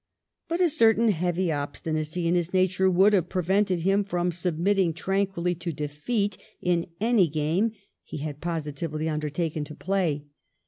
But a certain heavy obstinacy in his nature would have prevented him from submitting tranquilly to defeat in any game he had positively undertaken to play.